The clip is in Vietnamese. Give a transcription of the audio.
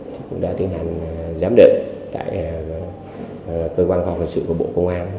thì cũng đã tiến hành giám đựng tại cơ quan khoa huyện sự của bộ công an